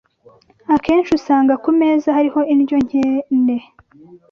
Akenshi usanga ku meza hariho indyo nkene